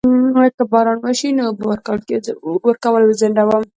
که باران وشي نو اوبه ورکول وځنډوم؟